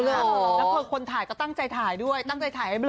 แล้วพอคนถ่ายก็ตั้งใจถ่ายด้วยตั้งใจถ่ายให้แม่